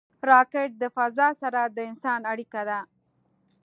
راکټ د فضا سره د انسان اړیکه ده